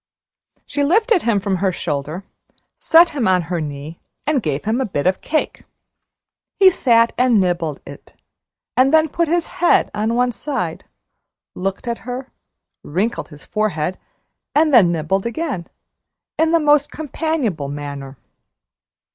She lifted him from her shoulder, set him on her knee, and gave him a bit of cake. He sat and nibbled it, and then put his head on one side, looked at her, wrinkled his forehead, and then nibbled again, in the most companionable manner.